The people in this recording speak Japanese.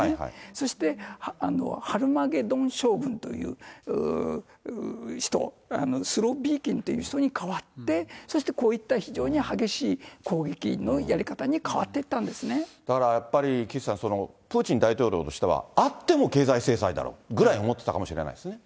そして、ハルマゲドン将軍という人、スロビーキンという人に代わって、そしてこういった非常に激しい攻撃のやり方に変わっていったんでだからやっぱり岸さん、プーチン大統領としては、あっても経済制裁だろうぐらいに思ってたかもしれないですね。